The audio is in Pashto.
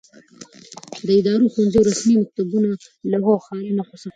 له ادارو، ښوونځیو، رسمي مکتوبونو، لوحو او ښاري نښو څخه